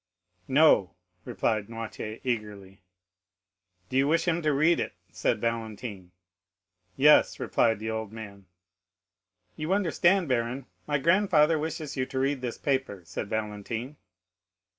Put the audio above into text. "No," replied Noirtier eagerly. "Do you wish him to read it?" said Valentine. "Yes," replied the old man. "You understand, baron, my grandfather wishes you to read this paper," said Valentine.